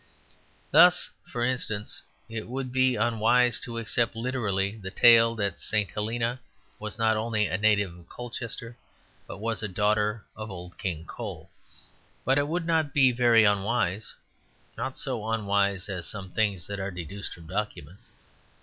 Thus, for instance, it would be unwise to accept literally the tale that St. Helena was not only a native of Colchester, but was a daughter of Old King Cole. But it would not be very unwise; not so unwise as some things that are deduced from documents.